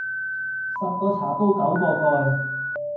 十個茶煲九個蓋